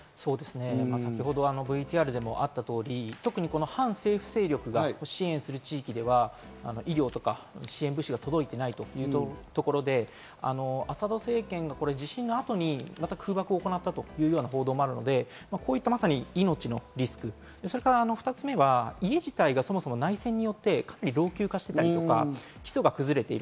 先ほどＶＴＲでもあった通り、特に反政府勢力が支援する地域では、医療とか支援物資が届いていないというところで、アサド政権が地震の後に空爆を行ったというような報道もあるので、こういった、まさに命のリスク、そして２つ目は家自体が内戦によって、かなり老朽化していたり、基礎が崩れていたり、